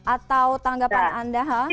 atau tanggapan anda